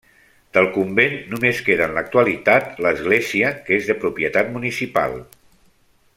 Del convent només queda en l'actualitat l'església que és de propietat municipal.